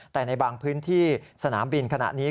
แต่ในบางพื้นที่สนามบินขณะนี้